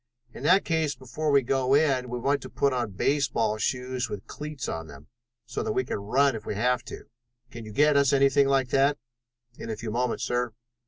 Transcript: "In that case before we go in we want to put on baseball shoes with cleats on them, so that we can run if we have to. Can you get us anything like that?" "In a few moments, sir."